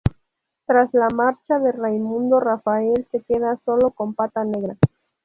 Tras la marcha de Raimundo, Rafael se queda solo con Pata Negra.